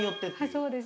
そうです。